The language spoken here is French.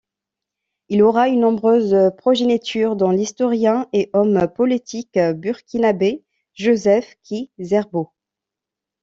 Il aura une nombreuse progéniture dont l'historien et homme politique Burkinabé Joseph Ki-Zerbo.